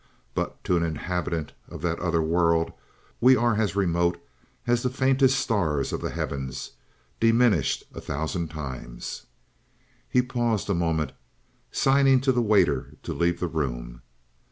But to an inhabitant of that other world, we are as remote as the faintest stars of the heavens, diminished a thousand times." He paused a moment, signing the waiter to leave the room.